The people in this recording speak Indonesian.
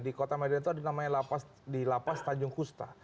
di kota medan itu ada namanya di lapas tanjung kusta